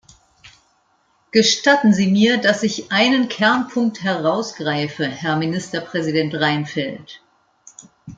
Gestatten Sie mir, dass ich einen Kernpunkt herausgreife, Herr Ministerpräsident Reinfeldt.